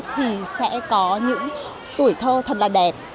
thì sẽ có những tuổi thơ thật là đẹp